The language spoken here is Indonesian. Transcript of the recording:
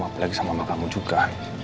apalagi sama mama kamu juga